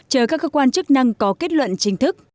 chờ các cơ quan chức năng có kết luận chính thức